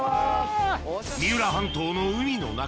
三浦半島の海の仲間